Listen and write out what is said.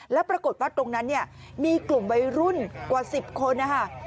แล้วปรากฏว่าตรงนั้นเนี่ยมีกลุ่มวัยรุ่นกว่า๑๐คนนะคะ